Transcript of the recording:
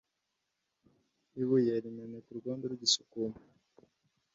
Ibuye rimeneka urwondo rugisukuma.